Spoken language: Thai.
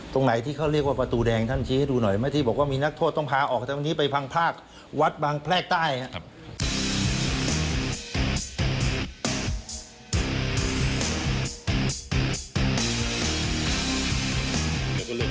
ตรงไหนที่เขาเรียกว่าประตูแดงท่านชี้ให้ดูหน่อยไหมที่บอกว่ามีนักโทษต้องพาออกจากตรงนี้ไปพังภาควัดบางแพรกใต้ครับ